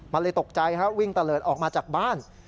มันเลยตกใจฮะวิ่งตะเลิศออกมาจากบ้าน